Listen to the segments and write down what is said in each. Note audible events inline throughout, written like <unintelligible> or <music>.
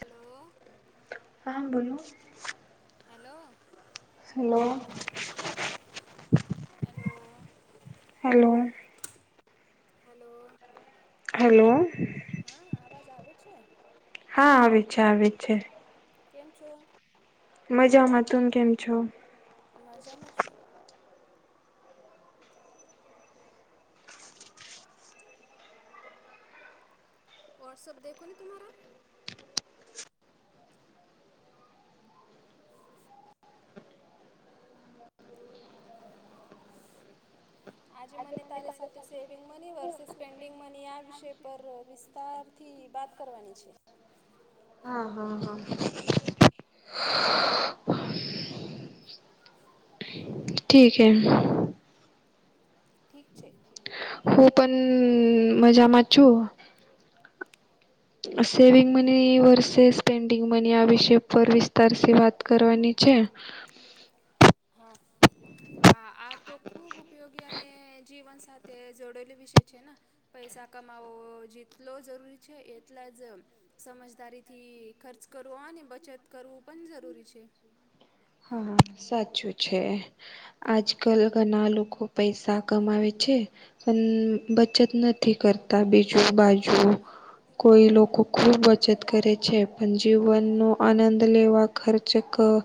Hello હા બોલો hello. Hello hello. Hello. Hello hello હા આવાજ આવે છે. હા આવે છે આવે છે. કેમ છો. મજામાં તમે કેમ છો. મજામાં છું. વોટ્સઅપ દેખો ને તમારા. <inaudible> આજે મને તારી સાથે saving money versus spending money આ વિષય પર વિ તારથી બાત કરવાની છે હા હા હા ઠીકે. ઠીક છે. હું પણ મજામાં છું. <unintelligible> Saving money versus spending money આ વિષય પર વિસ્તારથી વાત કરવાની છે હા વા આ તો ખુબ ઉપયોગી અને જીવનસા તે જોડવલી વિષય છે પૈસા કમાવો જિતલો જરૂરી છે એટલા જ સમજદારી થી ખર્ચ કરવો અને બચત કરવું પણ જરૂરી છે. હા સાચું છે. આજ કલ ઘણા લોકો પૈસા કમાવે છે. પણ બચત નથી કરતા બીજું બાજુ જો કોઈ લોકો ખૂબ બચત કરે છે. પણ જીવનનો આનંદ લેવા ખર્ચ કર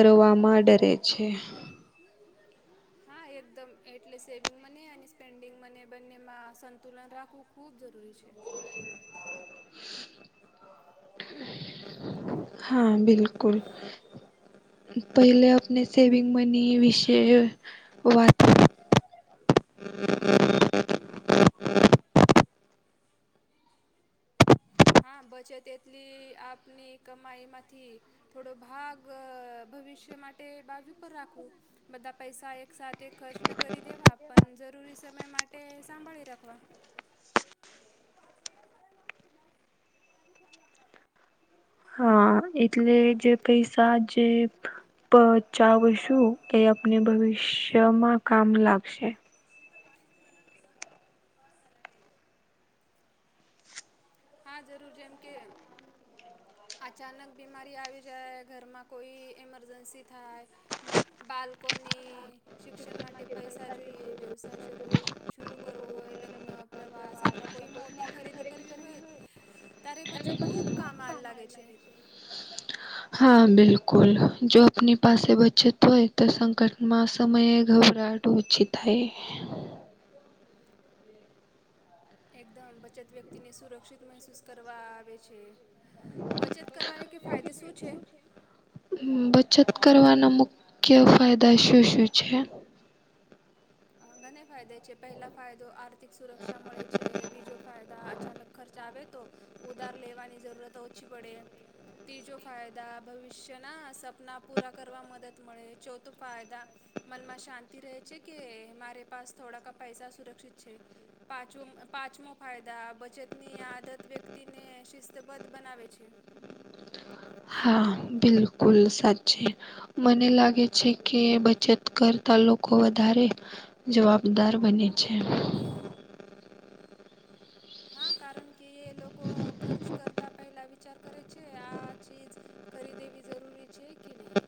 કરવામાં ડરે છે. હ <unintelligible> હા એકદમ એટલે સેવિંગ મને અને સ્પેન્ડિંગ મને બંનેમાં સંતુલન રાખવું ખૂબ જરૂરી છે. <unintelligible> હા બિલકુલ. પહેલે આપણે સેવિંગ મની વિશે વા <unintelligible> હા બચત એટલી આપની કમાઈમાંથી થોડો ભાગ ભવિષ્ય માટે બાજુ પર રાખવું. બધા પૈસા એક સાથેથે ખર્ચ ના કરી દેવા પણ જરૂરી સમય માટે સાંભળી રાખવા. <unintelligible> હા એટલે જે પૈસા જે પચાવ છું. એ આપને ભવિષ્યમાં કામ લાગશે. રશ્મિતા પાઈ ઉઠસવલા તજા બાદા પેલા હા જરૂર છેમ કે અચાનક બીમારી આવી જાય, ઘરમાં કોઈ ઇમરજન્સી થાય, બાળકોને ટ્યુશન પૈસા બી વ્યવસાય કરવો ધીરે કરવો પડે લગ્ન જવા મતલબ કોઈ મોટી ખરીદી કરવી હા શિક્ષણ માટે પૈસા જોઈએ, વ્યવસાય શરૂ શર કરવું હોય, લગ્ન, પ્રવાસ અથવા કોઈ મોટી ખરીદી કરવી હોય તારે બચ્ચે ખુબ કામલ લાગે છે. હા બિલકુલ. જો આપની પાસે બચત તોય તો સંકટમાં સમયે ઘભરાડું ઓછી થાય એકદમ બચત વ્યક્તિને સુરક્ષિત મહેસૂસ કરવા આવે છે. બચત કરવાને કે ફાયદે શું છે? બચત કરવાના મુખ્ય ફાયદા શું શું છે? ઘને ફાયદા છે પહેલા ફાયદો આર્થિક સુરક્ષા મળે છે બીજો ફાયદા અચાનક ખર્ચ આવે તો ઉધાર લેવાની જરૂરત ઓછી પડે ત્રીજો ફાયદા ભવિષ્યના સપના પૂરા કરવા મદદ મળે ચોથો ફાયદા મનમાં શાંતિ રહે છે કે મારે પાસ થોડાક પૈસા સુરક્ષિત છે. પાંચમો પાંચમો ફાયદા બચતની આદત વ્યક્તિને શિસ્તબદ્ધ બનાવે છે. હા બિલકુલ સાચી. મને લાગે છે કે બચત કરતા લોકો વધારે જવાબદાર બને છે. હા કારણ કે એ લોકો ખર્ચ કરતા પહેલા વિચાર કરે છે આ ચીજ ખરીદેવી જરૂરી છે કે નહીં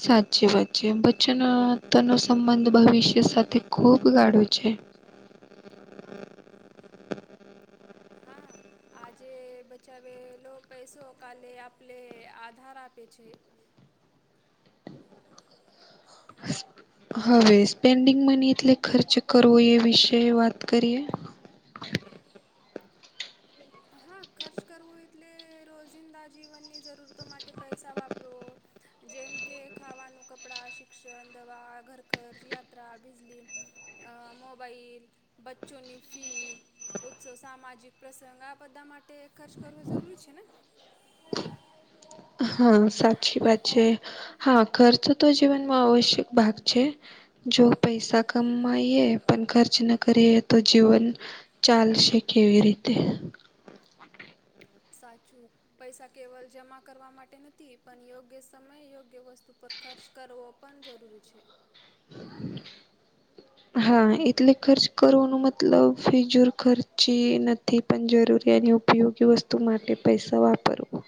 સાચી વાત છે બચ્ચેના તેનો સંબંધ ભવિષ્ય સાથે ખૂબ ગાળો છે. હા. આજે બચાવેલો પૈસો કાલે આપલે આધાર આપે છે. હવે સ્પેન્ડિંગ મની એટલે ખર્ચ કરવો એ વિશે વાત કરીએ હા ખર્ચ કરવું એટલે રોજિંદા જીવનની જરૂરતો માટે પૈસા વાપરો જેમ કે ખાવાનું કપડા શિક્ષણ દવા ઘરખર્ચ યાત્રા બીજલી મોબાઈલ બચ્ચોની ફી ઉત્સવ સામાજિક પ્રસંગ આપ બધા માટે ખર્ચ કરવો જરૂરી છે ને હા સાચી વાત છે હા ઘરચ તો જીવનમાં આવશ્યક ભાગ છે જો પૈસા કમાઈએ પણ ખર્ચ ન કરીએ તો જીવન ચાલશે કેવી રીતે સાચું પૈસા કેવલ જમા કરવા માટે નથી પણ યોગ્ય સમય યોગ્ય વસ્તુ પર ખર્ચ કરવો પણ જરૂરી છે <inaudible> હા એટલે ખર્ચ કરવાનું મતલબ ફિજુર ખર્ચી નથી પણ જરૂરી અને ઉપયોગી વસ્તુ માટે પૈસા વાપરવું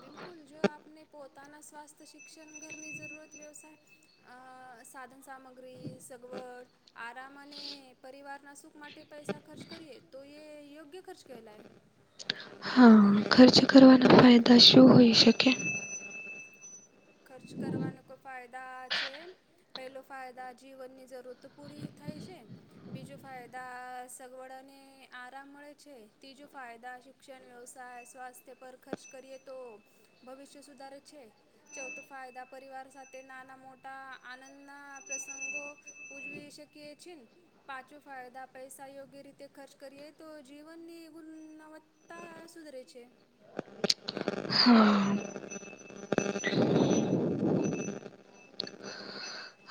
બિલકુલ જો આપને પોતાના સ્વાસ્થ્ય શિક્ષણ ઘરની જરૂરત વ્યવસાય અ સાધન સામગ્રી સગવડ આરામ અને પરિવારના સુખ માટે પૈસા ખર્ચ કરીએ તો એ યોગ્ય ખર્ચ કેહેલાય હા ખર્ચ કરવાના ફાયદા શું હોય શકે ખર્ચ કરવાના કોઈ ફાયદા આ છે. પેલો ફાયદા જીવનની જરૂરતો પૂરી થાય છે. બીજું ફાયદા સગવડ અને આરામ મળે છે. તીજું ફાયદા જે શિક્ષણ, વ્યવસાય, સ્વાસ્થ્ય પર ખર્ચ કરીએ તો ભવિષ્ય સુધારે છે. ચૌથો ફાયદા પરિવાર સાથે નાના મોટા આનંદના પ્રસંગો ઉજવી શકીએ છીન. પાંચવો ફાયદા પૈસા યોગ્ય રીતે ખર્ચ કરીએ તો જીવનની ગુનવત્ત તા સુધરે છે. હા.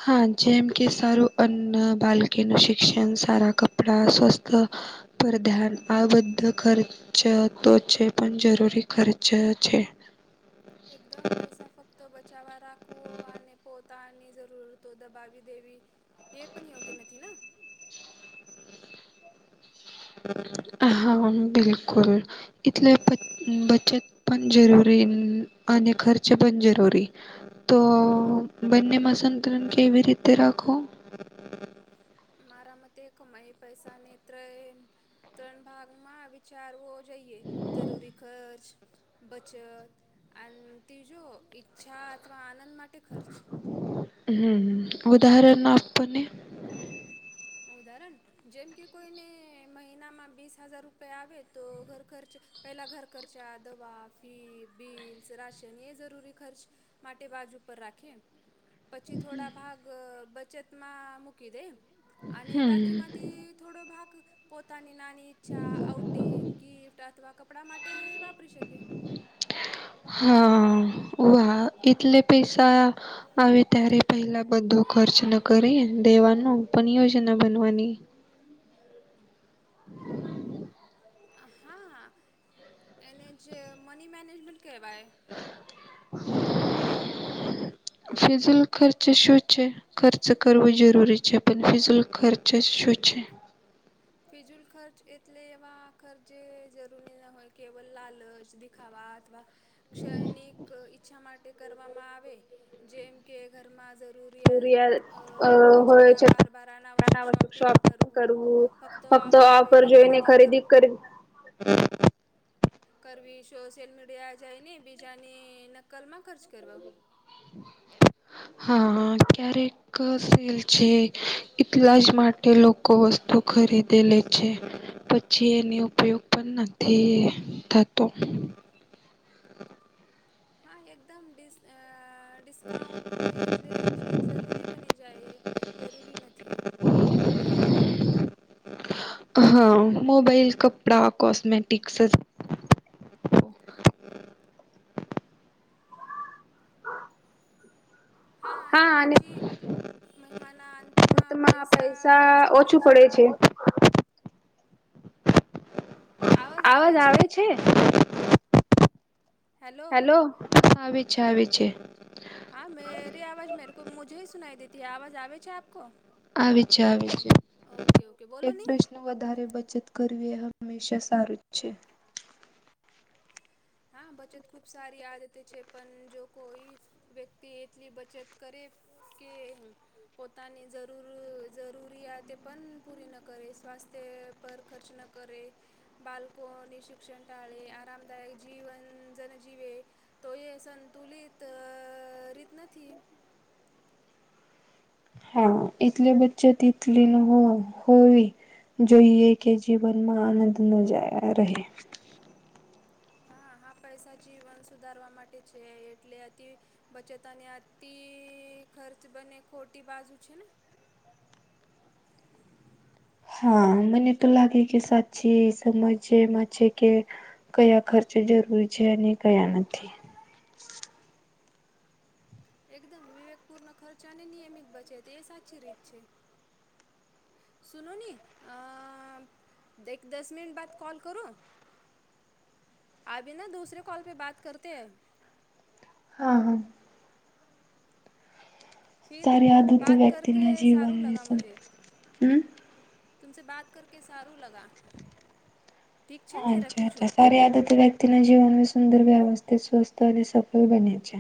હા. જેમ કે સારું અન્ન બાલકી નું શિક્ષણ સારા ક પણા સ્વસ્થ પર ધ્યાન આ બધા ખર્ચ ર્ચ તો છે, પણ જરૂરી ખર્ચ છે. એકદમ પૈસા ફક્ત ત બચાવવા રાખવું, અને પોતાની જરૂરતો દબાવી દેવી. એ પણ યોગ્ય નથી ના. હા, હા બિલકુલ. એટલે બ બચત પણ જરૂરી અને ખર્ચ પણ જરૂરી. તો બંનેમાં સંતુલન કેવી રીતે રાખવો? મારા મતે કમાય પૈસા નેત્ર એ ત્રણ ભાગમાં વિચારવો જોઈએ. જરૂરી ખર્ચ બચત અન તીજો ઈચ્છા અથવા આનંદ માટે ખર્ચ. હમ્મ-હમ્મ. ઉદાહરણ આપોને. ઉદાહરણ? જેમ કે કોઈને મહિનામાં બીસ હજાર રૂપિયા આવે તો ઘર ખર્ચ પહેલા ઘર ખર્ચા, દવા, ફી, બિલ્સ, રાશન એ જરૂરી ખર્ચ. માટે બાજ ઉપર રાખીએ પછી થોડા ભાગ બચતમાં મૂકી દે અને હમ બાકીમાંથી થોડો ભાગ પોતાની નાની ઈચ્છા, આઉટિંગ, ગિફ્ટ અથવા કપડાં માટે વાપરી શકીએ. હા, ઓ હા એટલે પૈસા આવે ત્યારે પહેલા બધો ખર્ચ ન કરી દેવાનો પણ યોજના બનવાની હા એને જ મની મેનેજમેન્ટ કહેવાય ફિઝલ ખર્ચ શૂ છે ખર્ચ કરવું જરૂરી છે પણ ફિઝલ ખર્ચ શું છે ફિજુલ ખર્ચ એટલે એવા આ ખર્ચ જે જરૂરી ના હોય કેવલ લાલચ દિખાવા અથવા ક્ષણિક ઈચ્છા માટે કરવામાં આવે જેમ કે ઘરમાં જરૂરિયાત હોય છતાં બાર બાર અના આવશ્યક શોપિંગ કરવું ફક્ત આ ઓફર જોઈને ખરીદી કરી હમ્મ કરવી સોશિયલ મીડિયા જોઈને બીજાની નકલમાં ખર્ચ કરવો હા ક્યારેક છે એટલા જ માટે લોકો વસ્તુ ખરીદે લે છે પછી એની ઉપયોગ પણ નથી થતો હા એકદમ ડિસ અ ડિસ્કાઉન્ટ હોય એટલે ચીજ જરૂરી બની જાય જરૂરી નથી હા મોબાઈલ કપડા કોસ્મેટિક્સ હા હા અને પછી મહિનાના અંતમાં પૈસા ઓછું પડે છે આવાજ આવે છે હેલો હલો આવે છે આવે છે હા મેરી આવાજ મેરે કો મુજે હી સુનાઈ દેતી આવાજ આવે છે આપકો આવી છે આવી છે ઓકે ઓકે બોલો એક ને ડસનું વધારે બચત કરવી એ હંમેશા સારું જ છે હા બચત ખુબ સારી આદતે છે પણ જો કોઈ વ્યક્તિ એટલી બચત કરે કે પોતાની જરૂર જરૂરિયાતે પણ પૂરી ન કરે સ્વાસ્થ્ય પર ખર્ચ ન કરે બાળકોની શિક્ષણ ટાળે આરામદાયક જીવન જનજીવે તો એ સંતુલિત રીત નથી હા એટલે બચ્ચે <unintelligible> તલે હો <unintelligible> હોવી જોઈએ કે જીવનમાં આનંદ ન જાય રહે હા હા પૈસા જીવન સુધારવા માટે છે એટલે અતિ બચત અને અતિ ખર્ચ બને ખોટી બાજુ છે ને હા મને તો લાગે કે સાચી એ સમજ જે મા છે કે કયા ખર્ચે જરૂરી છે અને કયા નથી એકદમ વિવેકપૂર્ ન ખર્ચ અને નિયમિત બચે એ સાચી રીત છે સુનો ને અ દસ મિનીટ બાદ કોલ કરૂ અભી ના દૂસરે કોલ પે બાત કરતી હૈ હા હા ફિર સારી આદત બાત કર કે વ્યક્તિના સારું જીવનને લગા સં મુજે હમ તુમસે બાત કર કે સારું લગા ઠીક છે ને અચ્છા રખું અચ્છા છું. સારી આદત વ્યક્તિ તેના જીવનમાં સુંદર વ્યવસ્થ સ્વસ્થ અને સફલ બના છે.